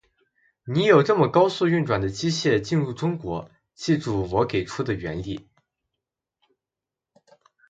你有这么高速运转的机械进入中国，记住我给出的原理。